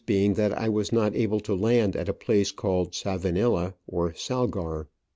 205 being that I was not able to land at a place called Savanilla, or Salgar.